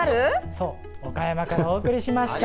そう岡山からお送りしました。